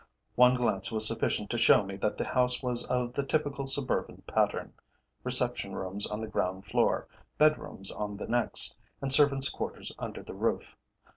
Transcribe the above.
One glance was sufficient to show me that the house was of the typical suburban pattern: reception rooms on the ground floor, bed rooms on the next, and servants' quarters under the roof.